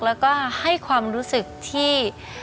แล้วก็ให้ความรู้สึกที่